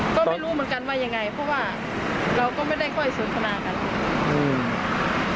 ก็ไม่รู้เหมือนกันว่ายังไงเพราะว่าเราก็ไม่ได้ค่อยสนทนากันอืม